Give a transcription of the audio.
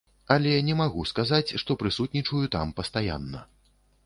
Але не магу сказаць, што прысутнічаю там пастаянна.